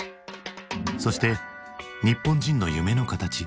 そして日本人の夢の形。